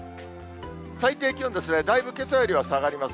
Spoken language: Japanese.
最低気温ですね、だいぶけさよりは下がります。